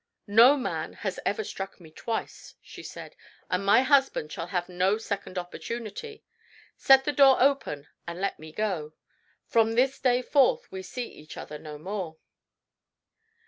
"No man has ever struck me twice," she said, "and my husband shall have no second opportunity. Set the door open and let me go. From this day forth we see each other no more."